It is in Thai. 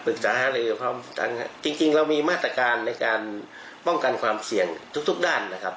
ปรึกษาหรือพร้อมจริงจริงเรามีมาตรการในการป้องกันความเสี่ยงทุกทุกด้านแหละครับ